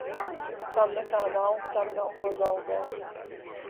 Kam nekā nav, tam nav ko zaudēt.